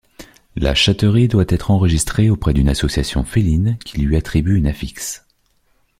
La chatterie doit être enregistrée auprès d'une association féline qui lui attribue une affixe.